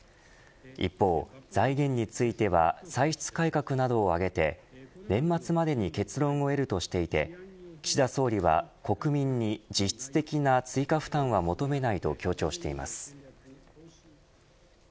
一方、財源については歳出改革などを挙げて年末までに結論を得るとしていて岸田総理は国民に実質的な追加負担は求めないと強調しています。